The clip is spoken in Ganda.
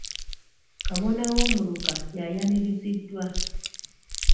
Kabona w'omuluka ya yaniriziddwa.